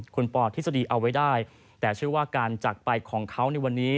คุณปอทฤษฎีเอาไว้ได้แต่เชื่อว่าการจักรไปของเขาในวันนี้